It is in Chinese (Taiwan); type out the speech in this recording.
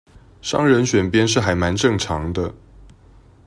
商人選邊是還蠻正常的